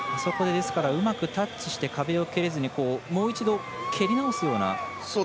うまくタッチして壁を蹴れずにもう一度、蹴り直すような。